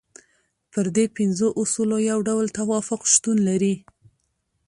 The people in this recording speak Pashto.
پر دې پنځو اصولو یو ډول توافق شتون لري.